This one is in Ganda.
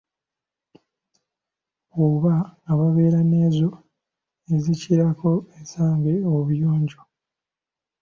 Oba ababeera n'ezo ezikirako ezange obuyonjo.